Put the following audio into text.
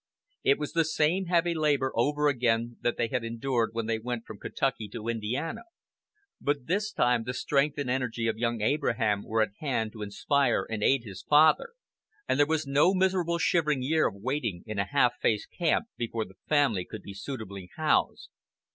It was the same heavy labor over again that they had endured when they went from Kentucky to Indiana; but this time the strength and energy of young Abraham were at hand to inspire and aid his father, and there was no miserable shivering year of waiting in a half faced camp before the family could be suitably housed.